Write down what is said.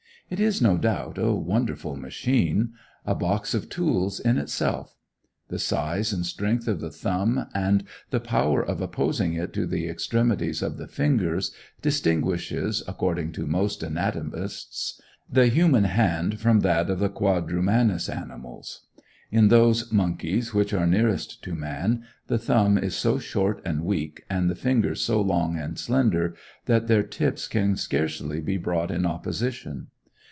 It is, no doubt, a wonderful machine; a box of tools in itself. The size and strength of the thumb, and the power of opposing it to the extremities of the fingers, distinguishes, according to most anatomists, the human hand from that of the quadrumanous animals. In those monkeys which are nearest to man, the thumb is so short and weak, and the fingers so long and slender, that their tips can scarcely be brought in opposition.